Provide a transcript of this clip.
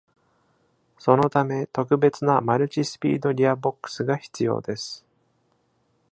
そのため、特別なマルチスピードギアボックスが必要です。